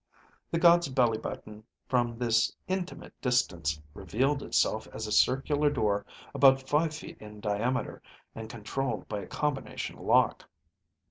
The god's belly button from this intimate distance revealed itself as a circular door about five feet in diameter and controlled by a combination lock.